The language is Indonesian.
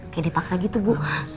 kayak dipaksa gitu bu